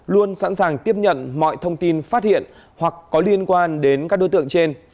luôn sẵn sàng tiếp nhận mọi thông tin phát hiện hoặc có liên quan đến các đối tượng trên